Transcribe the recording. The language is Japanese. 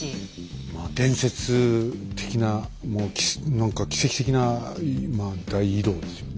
まあ伝説的なもう何か奇跡的な大移動ですよね。